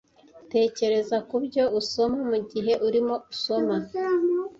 Tekereza kubyo usoma mugihe urimo usoma